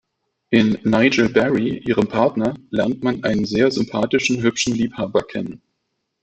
In Nigel Barrie, ihrem Partner, lernt man einen sehr sympathischen, hübschen Liebhaber kennen.